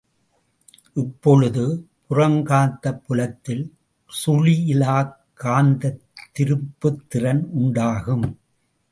இப்பொழுது புறக்காந்தப் புலத்தில் சுழியிலாக் காந்தத் திருப்புத்திறன் உண்டாகும்.